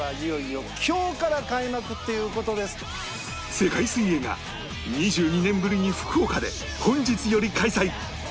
世界水泳が２２年ぶりに福岡で本日より開催